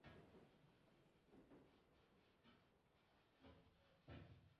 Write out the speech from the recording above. আমি তো শ্রেষ্ঠ এই ব্যক্তি থেকে, যে হীন এবং স্পষ্ট কথা বলতেও অক্ষম।